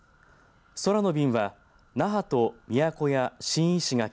空の便は那覇と宮古や新石垣